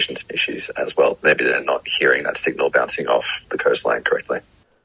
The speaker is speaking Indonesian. mungkin mereka tidak mendengar sinyal itu yang mengembangkan dari pantai